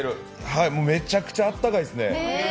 はい、めちゃくちゃあったかいですね。